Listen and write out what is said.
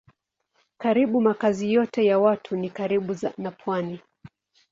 Karibu makazi yote ya watu ni karibu na pwani.